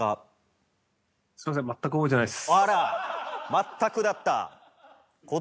全くだった。